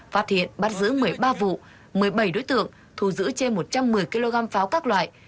phát hiện bắt giữ một mươi ba vụ một mươi bảy đối tượng thu giữ trên một trăm một mươi kg pháo các loại